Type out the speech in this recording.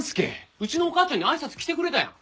うちのお母ちゃんにあいさつ来てくれたやん。